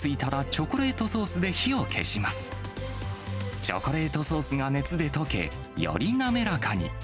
チョコレートソースが熱で溶け、より滑らかに。